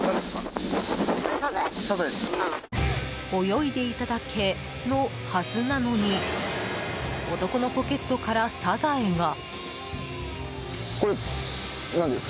泳いでいただけのはずなのに男のポケットからサザエが。